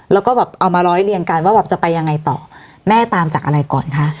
แล้วก็แบบเอามาร้อยเรียงกันว่าแบบจะไปยังไงต่อแม่ตามจากอะไรก่อนคะ